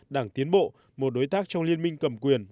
đảng tiến bộ một đối tác trong liên minh cầm quyền